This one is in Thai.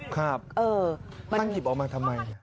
ครับตั้งหยิบออกมาทำไมอ่ะ